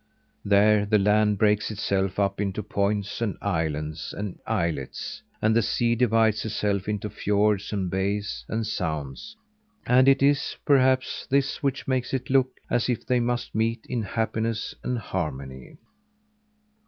There the land breaks itself up into points and islands and islets; and the sea divides itself into fiords and bays and sounds; and it is, perhaps, this which makes it look as if they must meet in happiness and harmony.